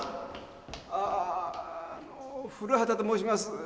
あのー古畑と申します。